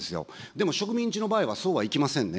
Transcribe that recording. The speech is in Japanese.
でも植民地の場合はそうはいきませんね。